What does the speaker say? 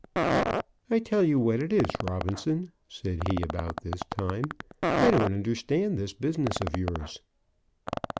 "I tell you what it is, Robinson," said he, about this time: "I don't understand this business of yours."